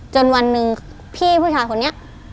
จนวันหนึ่งพี่ผู้ชายคนนี้